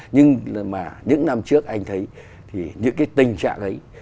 nhưng mà những năm trước anh thấy thì những cái tình trạng đấy